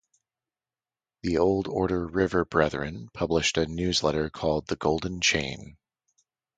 The Old Order River Brethren publish a newsletter called "The Golden Chain".